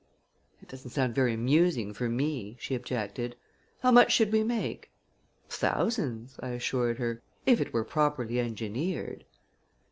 "It doesn't sound very amusing for me," she objected. "How much should we make?" "Thousands," I assured her, "if it were properly engineered."